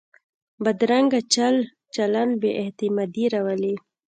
بدرنګه چل چلند بې اعتمادي راولي